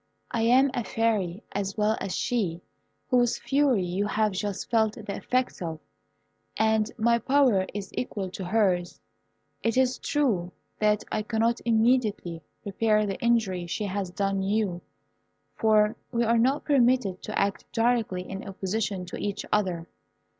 I am a Fairy as well as she whose fury you have just felt the effects of, and my power is equal to hers. It is true that I cannot immediately repair the injury she has done you, for we are not permitted to act directly in opposition to each other.